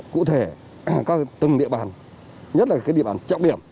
cụ thể các từng địa bàn nhất là địa bàn trọng điểm